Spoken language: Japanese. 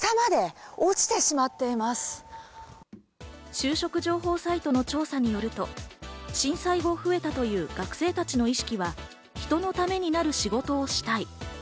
就職情報サイトの調査によると、震災後、増えたという学生たちの意識は人のためになる仕事をしたい。